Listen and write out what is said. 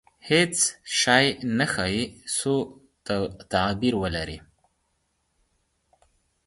• هېڅ شی نه ښایي، سوء تعبیر ولري.